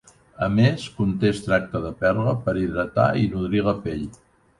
A més, conté extracte de perla per hidratar i nodrir la pell.